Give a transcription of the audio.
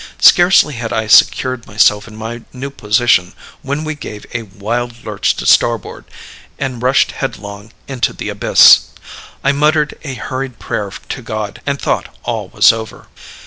Scarcely had I secured myself in my new position when we gave a wild lurch to starboard and rushed headlong into the abyss. I muttered a hurried prayer to God, and thought all was over.